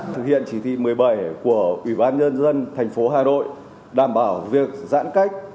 thực hiện chỉ thị một mươi bảy của ủy ban nhân dân thành phố hà nội đảm bảo việc giãn cách